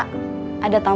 delta blandangnya naik